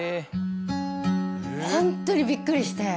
ホントにびっくりして。